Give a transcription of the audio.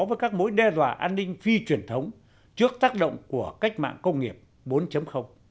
với các mối đe dọa an ninh phi truyền thống trước tác động của cách mạng công nghiệp bốn